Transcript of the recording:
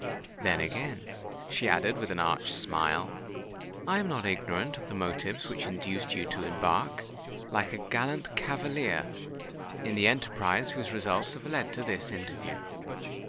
Then, again," she added, with an arch smile, "I am not ignorant of the motives which induced you to embark, like a gallant cavalier, in the enterprise whose results have led to this interview."